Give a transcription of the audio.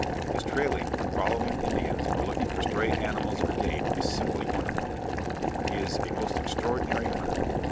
His trailing, when following Indians or looking for stray animals or game, is simply wonderful. He is a most extraordinary hunter.